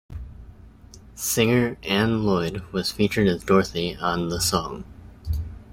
Singer Anne Lloyd was featured as Dorothy on the song.